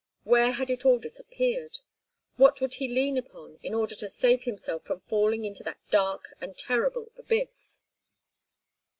Where had it all disappeared? What would he lean upon in order to save himself from falling into that dark and terrible abyss?